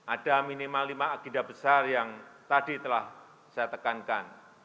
ada minimal lima agenda besar yang tadi telah saya tekankan